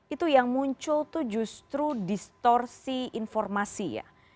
itu yang muncul itu justru distorsi informasi ya